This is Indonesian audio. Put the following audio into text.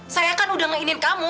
saya kan udah nge indin kamu